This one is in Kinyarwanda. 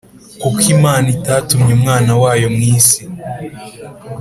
kuko imana itatumye umwana wayo mu isi